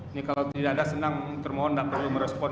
ini kalau tidak ada senang termohon tidak perlu merespon